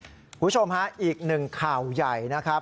คุณผู้ชมฮะอีกหนึ่งข่าวใหญ่นะครับ